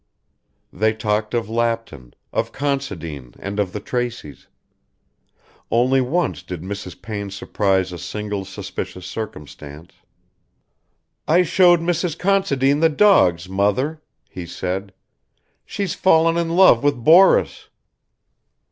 They talked of Lapton, of Considine and of the Traceys. Only once did Mrs. Payne surprise a single suspicious circumstance. "I showed Mrs. Considine the dogs, mother," he said. "She's fallen in love with Boris."